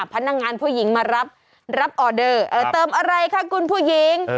พนักงานผู้หญิงมารับรับออเดอร์เติมอะไรคะคุณผู้หญิง